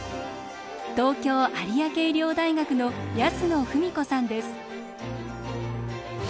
東京有明医療大学の安野富美子さんです。